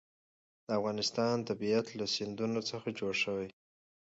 د افغانستان طبیعت له سیندونه څخه جوړ شوی دی.